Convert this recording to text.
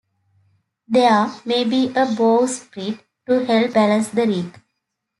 There may be a bowsprit to help balance the rig.